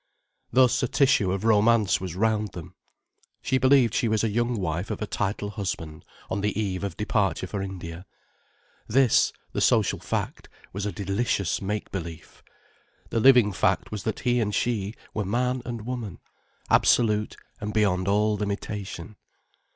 Thus a tissue of romance was round them. She believed she was a young wife of a titled husband on the eve of departure for India. This, the social fact, was a delicious make belief. The living fact was that he and she were man and woman, absolute and beyond all limitation.